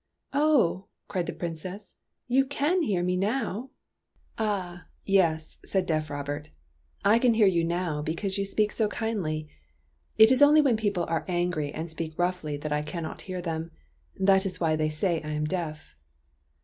" Oh !" cried the Princess. " You can hear me now !"" Ah, yes," said deaf Robert ;" I can hear you now, because you speak so kindly. It is only when people are angry and speak roughly that I cannot hear them. That is why they say I am deaf."